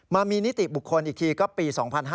มามีนิติบุคคลอีกทีก็ปี๒๕๕๙